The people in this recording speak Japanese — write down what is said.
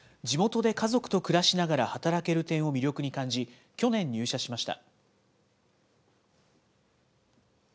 地元で家族と暮らしながら働ける点を魅力に感じ、去年、入社しました。